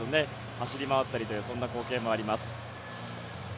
走り回ったりというそんな光景もあります。